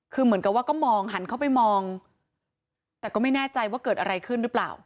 คือเหมือนกับว่าก็มองหันเข้าไปมองแต่ก็ไม่แน่ใจว่าเกิดอะไรขึ้นหรือเปล่า